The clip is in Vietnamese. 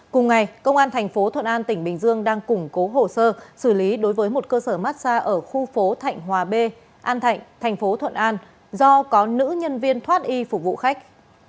cùng ngày công an thành phố thuận an tỉnh bình dương đang củng cố hồ sơ xử lý đối với một cơ sở massage ở khu phố thạnh hòa b an thạnh thành phố thuận an do có nữ nhân viên thoát y phục vụ khách